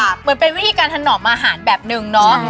เหมือนเป็นวิธีการถนอมอาหารแบบนึงเนาะ